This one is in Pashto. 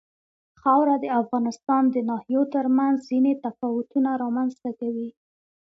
خاوره د افغانستان د ناحیو ترمنځ ځینې تفاوتونه رامنځ ته کوي.